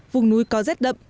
vùng núi cao rét đậm